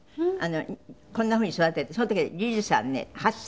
こんな風に育ててその時はリズさんね８歳。